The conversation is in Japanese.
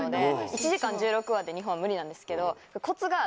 １時間１６話で２本は無理なんですけどコツがあって。